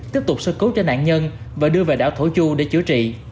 tiếp tục sơ cứu cho nạn nhân và đưa về đảo thổ chu để chữa trị